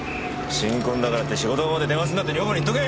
新婚だからって仕事場まで電話するなって女房に言っとけ！